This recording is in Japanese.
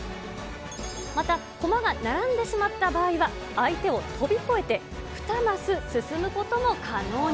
また、コマが並んでしまった場合は、相手を飛び越えて２マス進むことも可能に。